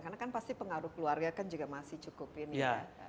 karena kan pasti pengaruh keluarga kan juga masih cukup ini ya